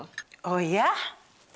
oh gw kepunya bruce